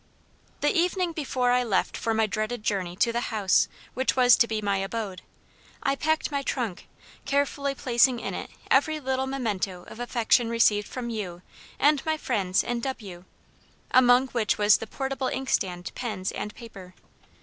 "The evening before I left for my dreaded journey to the 'house' which was to be my abode, I packed my trunk, carefully placing in it every little memento of affection received from YOU and my friends in W , among which was the portable inkstand, pens and paper.